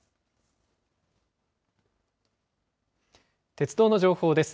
鉄道の情報です。